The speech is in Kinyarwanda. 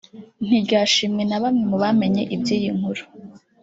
ntiryashimwe na bamwe mu bamenye iby’iyi nkuru